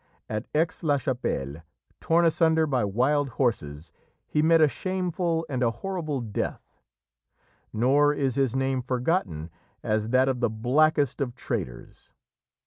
At Aix la Chapelle, torn asunder by wild horses, he met a shameful and a horrible death, nor is his name forgotten as that of the blackest of traitors.